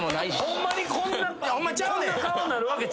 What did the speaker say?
ホンマちゃうねん。